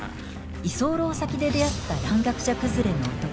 居候先で出会った蘭学者くずれの男